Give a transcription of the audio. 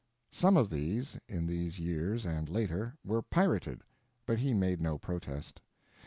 Some of these, in these years and later, were pirated, but he made no protest.